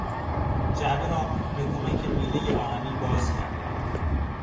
جعبه را به کمک میلهی آهنی باز کردم.